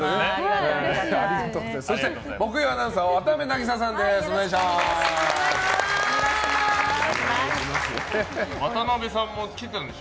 そして木曜アナウンサーは渡邊渚さんです。